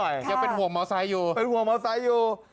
ยังเป็นห่วงมอไซค์อยู่เป็นห่วงมอไซค์อยู่